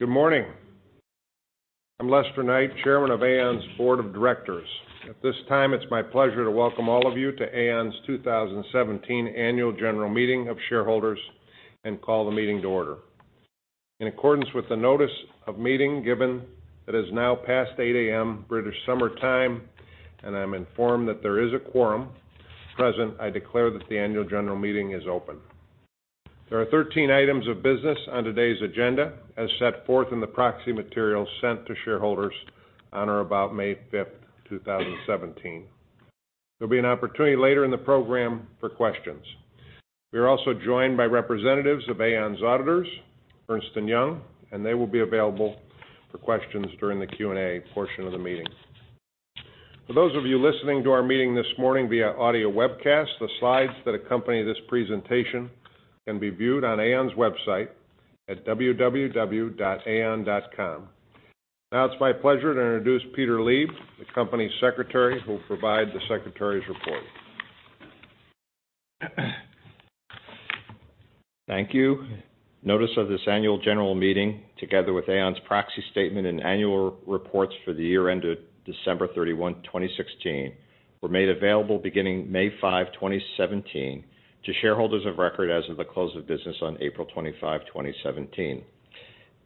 Good morning. I'm Lester Knight, Chairman of Aon's Board of Directors. At this time, it's my pleasure to welcome all of you to Aon's 2017 Annual General Meeting of Shareholders and call the meeting to order. In accordance with the notice of meeting given, it is now past 8:00 A.M. British Summer Time, and I'm informed that there is a quorum present. I declare that the Annual General Meeting is open. There are 13 items of business on today's agenda, as set forth in the proxy material sent to shareholders on or about May 5, 2017. There'll be an opportunity later in the program for questions. We are also joined by representatives of Aon's auditors, Ernst & Young, and they will be available for questions during the Q&A portion of the meeting. For those of you listening to our meeting this morning via audio webcast, the slides that accompany this presentation can be viewed on Aon's website at www.aon.com. It's my pleasure to introduce Peter Lieb, the Company Secretary, who will provide the secretary's report. Thank you. Notice of this Annual General Meeting, together with Aon's proxy statement and annual reports for the year ended December 31, 2016, were made available beginning May 5, 2017, to shareholders of record as of the close of business on April 25, 2017.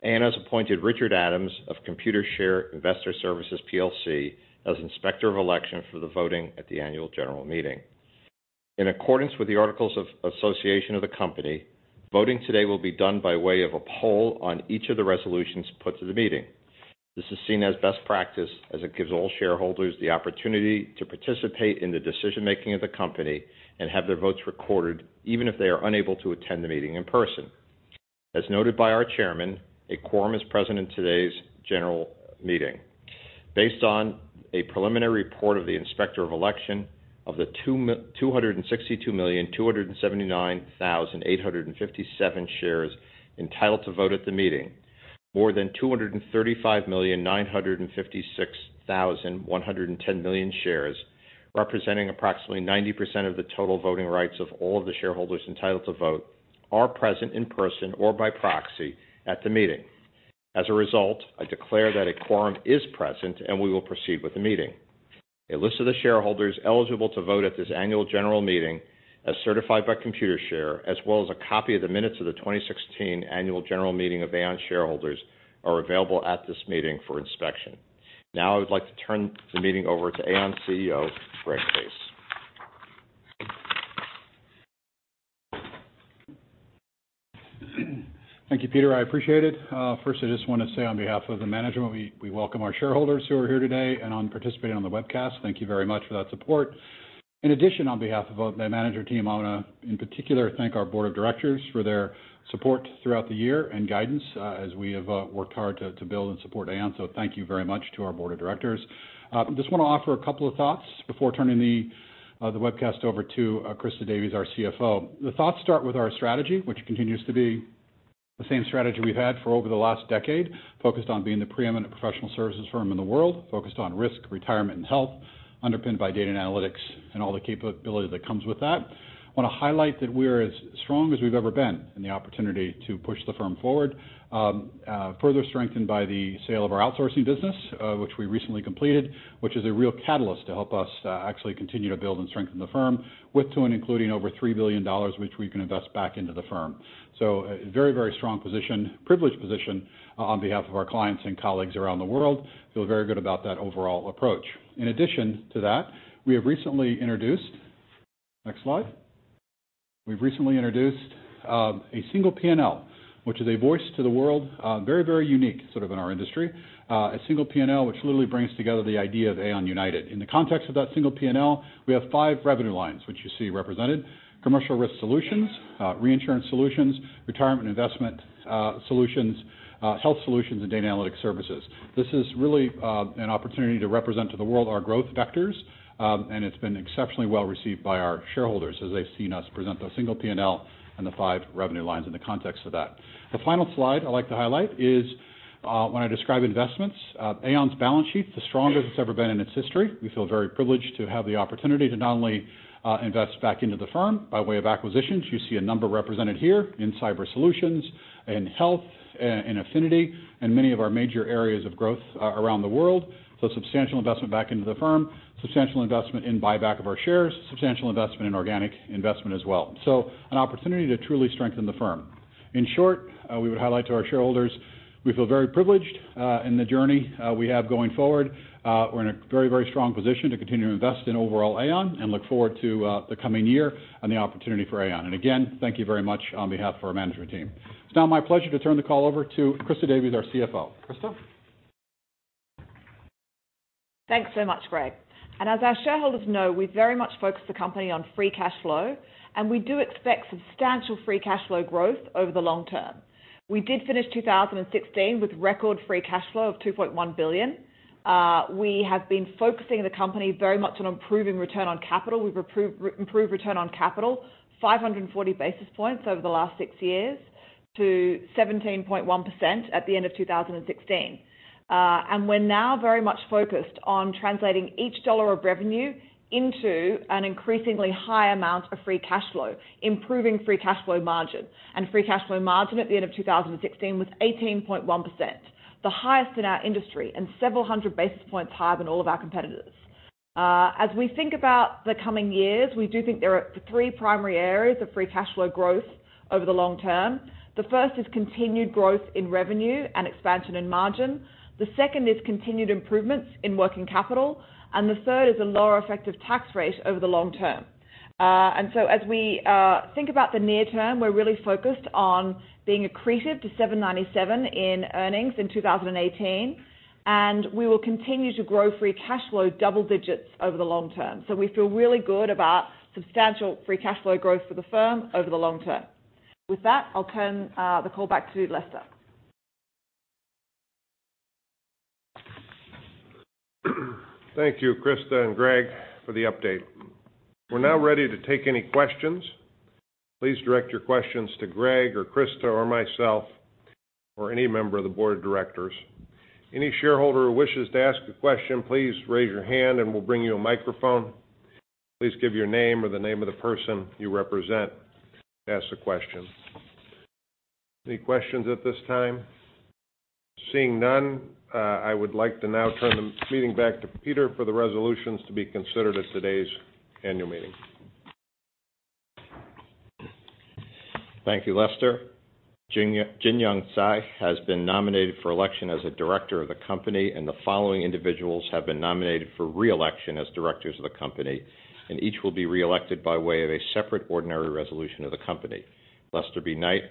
Aon has appointed Richard Adams of Computershare Investor Services PLC as Inspector of Election for the voting at the Annual General Meeting. In accordance with the articles of association of the company, voting today will be done by way of a poll on each of the resolutions put to the meeting. This is seen as best practice, as it gives all shareholders the opportunity to participate in the decision making of the company and have their votes recorded, even if they are unable to attend the meeting in person. As noted by our Chairman, a quorum is present in today's General Meeting. Based on a preliminary report of the Inspector of Election of the 262,279,857 shares entitled to vote at the meeting, more than 235,956,110 shares, representing approximately 90% of the total voting rights of all of the shareholders entitled to vote, are present in person or by proxy at the meeting. I declare that a quorum is present, and we will proceed with the meeting. A list of the shareholders eligible to vote at this Annual General Meeting, as certified by Computershare, as well as a copy of the minutes of the 2016 Annual General Meeting of Aon shareholders, are available at this meeting for inspection. I would like to turn the meeting over to Aon CEO, Greg Case. Thank you, Peter. I appreciate it. First, I just want to say on behalf of the management, we welcome our shareholders who are here today and participating on the webcast. Thank you very much for that support. In addition, on behalf of the management team, I want to in particular thank our board of directors for their support throughout the year and guidance as we have worked hard to build and support Aon. Thank you very much to our board of directors. Just want to offer a couple of thoughts before turning the webcast over to Christa Davies, our CFO. The thoughts start with our strategy, which continues to be the same strategy we've had for over the last decade, focused on being the preeminent professional services firm in the world, focused on risk, retirement, and health, underpinned by data and analytics and all the capability that comes with that. Want to highlight that we're as strong as we've ever been in the opportunity to push the firm forward. Further strengthened by the sale of our outsourcing business which we recently completed, which is a real catalyst to help us actually continue to build and strengthen the firm with to and including over $3 billion, which we can invest back into the firm. A very strong position, privileged position on behalf of our clients and colleagues around the world. Feel very good about that overall approach. In addition to that, we have recently introduced Next slide. We've recently introduced a single P&L, which is a voice to the world, very unique sort of in our industry. A single P&L, which literally brings together the idea of Aon United. In the context of that single P&L, we have five revenue lines, which you see represented. Commercial Risk Solutions, Reinsurance Solutions, Retirement Solutions, Health Solutions, and Data & Analytics Services. This is really an opportunity to represent to the world our growth vectors, and it's been exceptionally well received by our shareholders as they've seen us present the single P&L and the five revenue lines in the context of that. The final slide I'd like to highlight is when I describe investments. Aon's balance sheet, the strongest it's ever been in its history. We feel very privileged to have the opportunity to not only invest back into the firm by way of acquisitions. You see a number represented here in Cyber Solutions and Health and affinity, and many of our major areas of growth around the world. Substantial investment back into the firm, substantial investment in buyback of our shares, substantial investment in organic investment as well. An opportunity to truly strengthen the firm. In short, we would highlight to our shareholders, we feel very privileged in the journey we have going forward. We're in a very strong position to continue to invest in overall Aon and look forward to the coming year and the opportunity for Aon. Again, thank you very much on behalf of our management team. It's now my pleasure to turn the call over to Christa Davies, our CFO. Christa? Thanks so much, Greg. As our shareholders know, we very much focus the company on free cash flow. We do expect substantial free cash flow growth over the long term. We did finish 2016 with record free cash flow of $2.1 billion. We have been focusing the company very much on improving return on capital. We have improved return on capital 540 basis points over the last six years to 17.1% at the end of 2016. We are now very much focused on translating each dollar of revenue into an increasingly high amount of free cash flow, improving free cash flow margin. Free cash flow margin at the end of 2016 was 18.1%, the highest in our industry and several hundred basis points higher than all of our competitors. As we think about the coming years, we do think there are three primary areas of free cash flow growth over the long term. The first is continued growth in revenue and expansion in margin. The second is continued improvements in working capital. The third is a lower effective tax rate over the long term. As we think about the near term, we are really focused on being accretive to 797 in earnings in 2018. We will continue to grow free cash flow double digits over the long term. We feel really good about substantial free cash flow growth for the firm over the long term. With that, I will turn the call back to Lester. Thank you, Christa and Greg, for the update. We are now ready to take any questions. Please direct your questions to Greg or Christa or myself, or any member of the board of directors. Any shareholder who wishes to ask a question, please raise your hand and we will bring you a microphone. Please give your name or the name of the person you represent to ask the question. Any questions at this time? Seeing none, I would like to now turn the meeting back to Peter for the resolutions to be considered at today's annual meeting. Thank you, Lester. Jin-Yong Cai has been nominated for election as a director of the company. The following individuals have been nominated for re-election as directors of the company. Each will be re-elected by way of a separate ordinary resolution of the company. Lester B. Knight,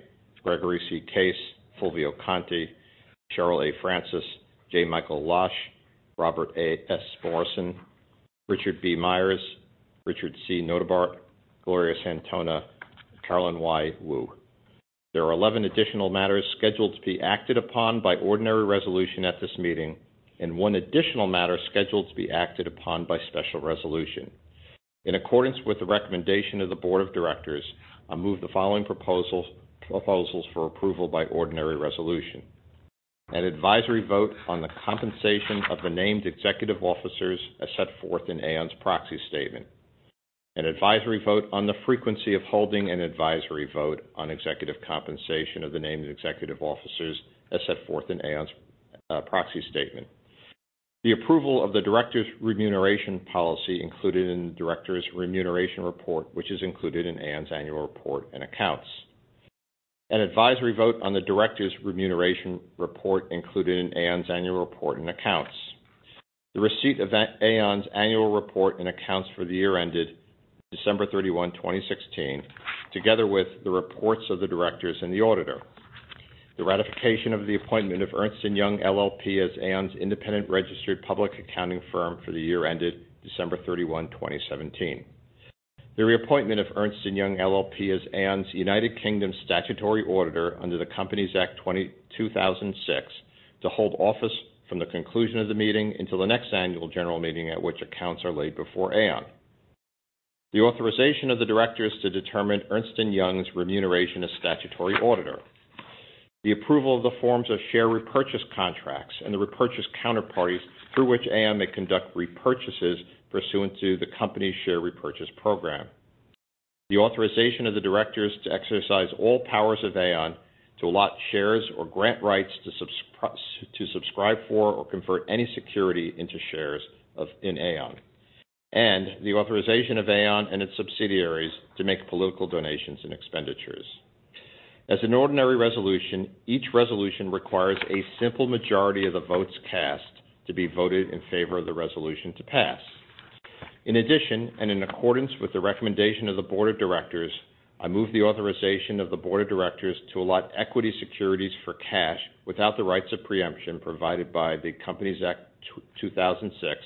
Gregory C. Case, Fulvio Conti, Cheryl A. Francis, J. Michael Losh, Robert S. Morrison, Richard B. Myers, Richard C. Notebaert, Gloria Santona, Carolyn Y. Woo. There are 11 additional matters scheduled to be acted upon by ordinary resolution at this meeting. One additional matter scheduled to be acted upon by special resolution. In accordance with the recommendation of the board of directors, I move the following proposals for approval by ordinary resolution. An advisory vote on the compensation of the named executive officers as set forth in Aon's proxy statement. An advisory vote on the frequency of holding an advisory vote on executive compensation of the named executive officers as set forth in Aon's proxy statement. The approval of the directors' remuneration policy included in the directors' remuneration report, which is included in Aon's annual report and accounts. An advisory vote on the directors' remuneration report included in Aon's annual report and accounts. The receipt of Aon's annual report and accounts for the year ended December 31, 2016, together with the reports of the directors and the auditor. The ratification of the appointment of Ernst & Young LLP as Aon's independent registered public accounting firm for the year ended December 31, 2017. The reappointment of Ernst & Young LLP as Aon's United Kingdom statutory auditor under the Companies Act 2006 to hold office from the conclusion of the meeting until the next annual general meeting at which accounts are laid before Aon. The authorization of the directors to determine Ernst & Young's remuneration as statutory auditor. The approval of the forms of share repurchase contracts and the repurchase counterparties through which Aon may conduct repurchases pursuant to the company's share repurchase program. The authorization of the directors to exercise all powers of Aon to allot shares or grant rights to subscribe for or convert any security into shares in Aon. The authorization of Aon and its subsidiaries to make political donations and expenditures. As an ordinary resolution, each resolution requires a simple majority of the votes cast to be voted in favor of the resolution to pass. In addition, and in accordance with the recommendation of the board of directors, I move the authorization of the board of directors to allot equity securities for cash without the rights of preemption provided by the Companies Act 2006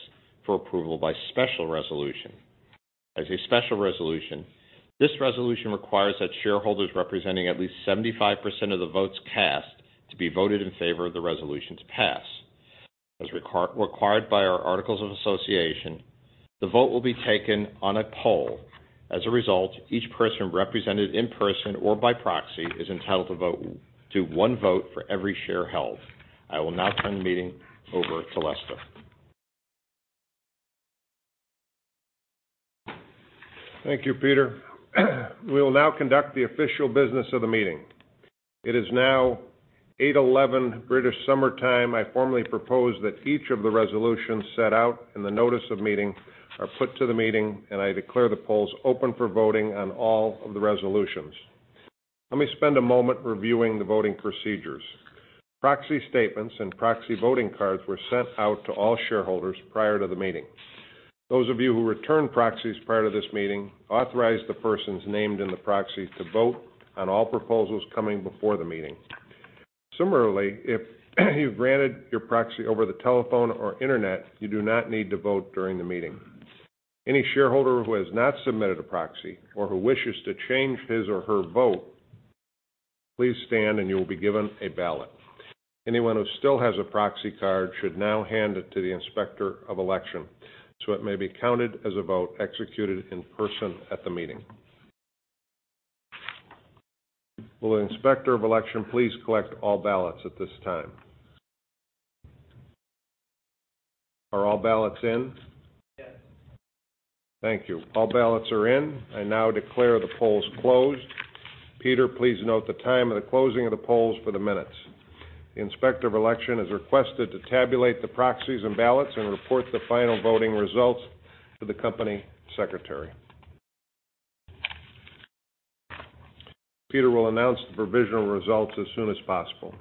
for approval by special resolution. As a special resolution, this resolution requires that shareholders representing at least 75% of the votes cast to be voted in favor of the resolution to pass. As required by our articles of association, the vote will be taken on a poll. As a result, each person represented in person or by proxy is entitled to one vote for every share held. I will now turn the meeting over to Lester. Thank you, Peter. We will now conduct the official business of the meeting. It is now 8:11 A.M. British Summer Time. I formally propose that each of the resolutions set out in the notice of meeting are put to the meeting, and I declare the polls open for voting on all of the resolutions. Let me spend a moment reviewing the voting procedures. Proxy statements and proxy voting cards were sent out to all shareholders prior to the meeting. Those of you who returned proxies prior to this meeting authorized the persons named in the proxy to vote on all proposals coming before the meeting. Similarly, if you've granted your proxy over the telephone or internet, you do not need to vote during the meeting. Any shareholder who has not submitted a proxy or who wishes to change his or her vote, please stand and you will be given a ballot. Anyone who still has a proxy card should now hand it to the Inspector of Election so it may be counted as a vote executed in person at the meeting. Will the Inspector of Election please collect all ballots at this time? Are all ballots in? Yes. Thank you. All ballots are in. I now declare the polls closed. Peter, please note the time of the closing of the polls for the minutes. The Inspector of Election is requested to tabulate the proxies and ballots and report the final voting results to the Company Secretary. Peter will announce the provisional results as soon as possible.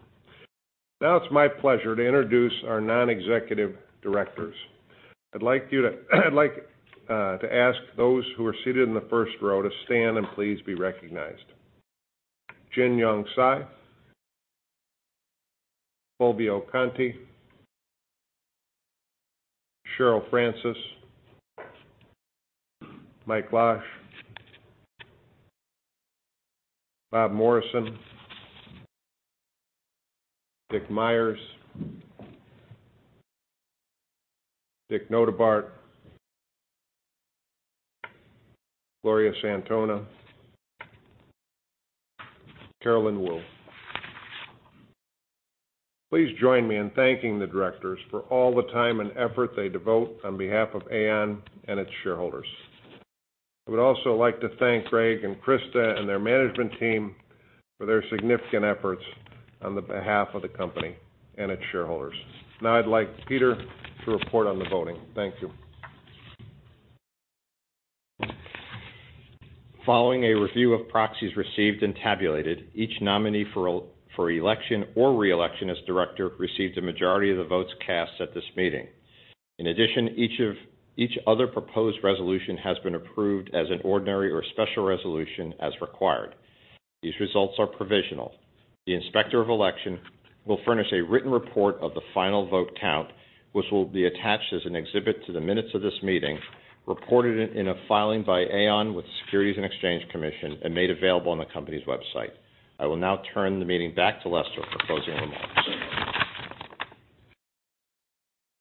It's my pleasure to introduce our non-executive directors. I'd like to ask those who are seated in the first row to stand and please be recognized. Jin-Yong Cai. Fulvio Conti. Cheryl Francis. Mike Losh. Bob Morrison. Dick Myers. Dick Notebaert. Gloria Santona. Carolyn Woo. Please join me in thanking the directors for all the time and effort they devote on behalf of Aon and its shareholders. I would also like to thank Greg and Christa and their management team for their significant efforts on behalf of the company and its shareholders. I'd like Peter to report on the voting. Thank you. Following a review of proxies received and tabulated, each nominee for election or reelection as director received a majority of the votes cast at this meeting. In addition, each other proposed resolution has been approved as an ordinary or special resolution as required. These results are provisional. The Inspector of Election will furnish a written report of the final vote count, which will be attached as an exhibit to the minutes of this meeting, reported in a filing by Aon with the Securities and Exchange Commission, and made available on the company's website. I will now turn the meeting back to Lester for closing remarks.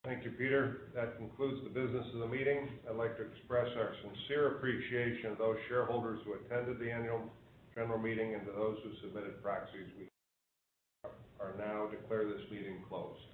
Thank you, Peter. That concludes the business of the meeting. I'd like to express our sincere appreciation to those shareholders who attended the annual general meeting and to those who submitted proxies. We are now declare this meeting closed. Thank you